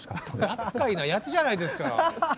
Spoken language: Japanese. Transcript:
やっかいなやつじゃないですか。